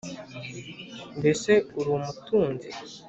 Mbese uri umutunzi